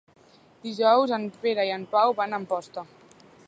Dijous en Pere i en Pau van a Amposta.